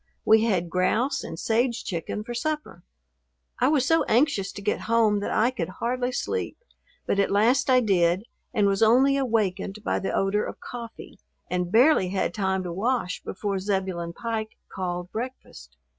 We had grouse and sage chicken for supper. I was so anxious to get home that I could hardly sleep, but at last I did and was only awakened by the odor of coffee, and barely had time to wash before Zebulon Pike called breakfast.